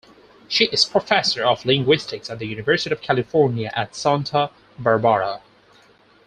She is Professor of Linguistics at the University of California at Santa Barbara.